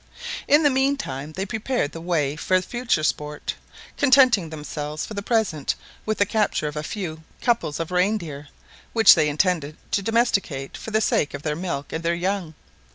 In the meantime they prepared the way for future sport, contenting themselves for the present with the capture of a few couples of reindeer, which they intended to domesticate for the sake of their milk and their young.